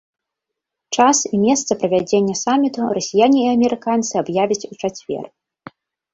Час і месца правядзення саміту расіяне і амерыканцы аб'явяць у чацвер.